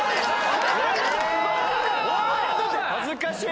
恥ずかしい！